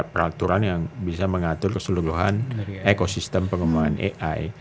peraturan yang bisa mengatur keseluruhan ekosistem pengembangan ai